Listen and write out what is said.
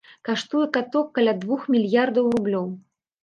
Каштуе каток каля двух мільярдаў рублёў.